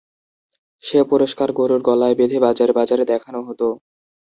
সে পুরস্কার গরুর গলায় বেঁধে বাজারে বাজারে দেখানো হতো।